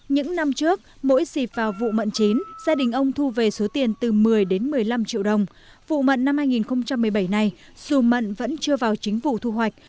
những năm trước mỗi xịp vào vụ mận chín gia đình ông thu hút mận chín vào huyện kỳ sơn tỉnh nghệ an